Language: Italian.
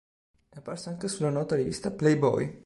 È apparsa anche sulla nota rivista "Playboy".